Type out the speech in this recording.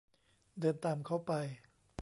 เดินตามเค้าไป